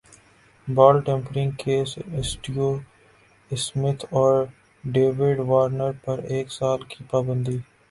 بال tampering case Steve Smith اور David Warner پر ایک سال کی پابندی